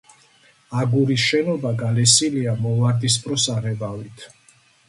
აგურის შენობა გალესილია მოვარდისფრო საღებავით.